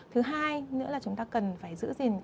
thứ hai nữa là chúng ta cần phải giữ gìn